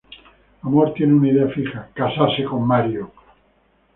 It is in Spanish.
Amor tiene una idea fija: casarse con Mario.